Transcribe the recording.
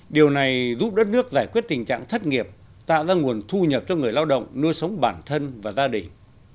điều này giúp đất nước giải quyết tình trạng thất nghiệp tạo ra nguồn thu nhập cho người lao động nuôi sống bản thân và gia đình